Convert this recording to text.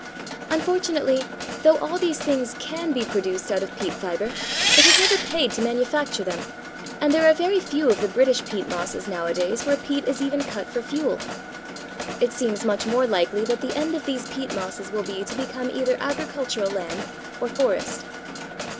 Unfortunately, though all these things can be produced out of peat fibre, it has never paid to manufacture them, and there are very few of the British peat mosses nowadays where peat is even cut for fuel. It seems much more likely that the end of these peat mosses will be to become either agricultural land or forest.